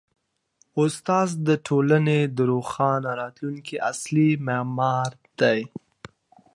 استاد د ټولني د روښانه راتلونکي اصلي معمار دی.